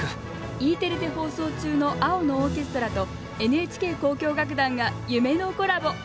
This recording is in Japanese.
Ｅテレで放送中の「青のオーケストラ」とＮＨＫ交響楽団が夢のコラボ。